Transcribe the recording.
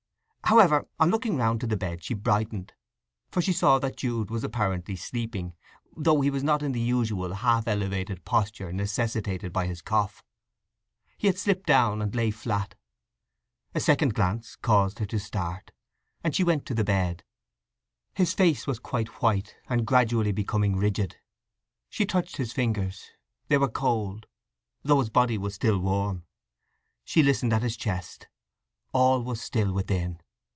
However, on looking round to the bed she brightened, for she saw that Jude was apparently sleeping, though he was not in the usual half elevated posture necessitated by his cough. He had slipped down, and lay flat. A second glance caused her to start, and she went to the bed. His face was quite white, and gradually becoming rigid. She touched his fingers; they were cold, though his body was still warm. She listened at his chest. All was still within.